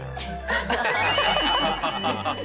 ハハハハ！